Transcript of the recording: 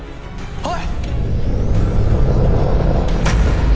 はい。